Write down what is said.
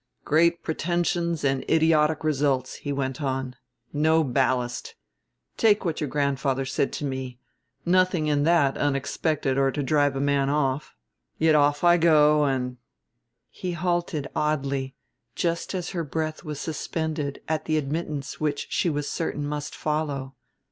"Great pretensions and idiotic results," he went on; "no ballast. Take what your grandfather said to me nothing in that unexpected or to drive a man off. Yet off I go and " he halted oddly, just as her breath was suspended at the admittance which she was certain must follow.